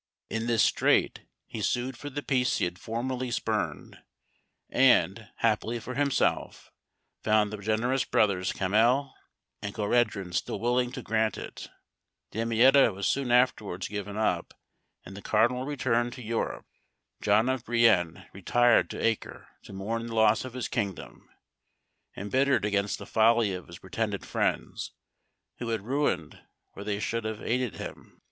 In this strait, he sued for the peace he had formerly spurned, and, happily for himself, found the generous brothers Camhel and Cohreddin still willing to grant it. Damietta was soon afterwards given up, and the cardinal returned to Europe. John of Brienne retired to Acre, to mourn the loss of his kingdom, embittered against the folly of his pretended friends, who had ruined where they should have aided him.